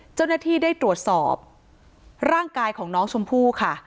เจ้าหน้าที่ได้ตรวจสอบร่างกายของน้องชมพู่ค่ะ